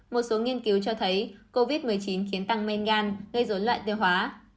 một số nghiên cứu cho thấy covid một mươi chín khiến tăng men gan gây rốn loại tiêu hóa